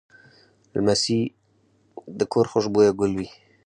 لمسی د کور خوشبویه ګل وي.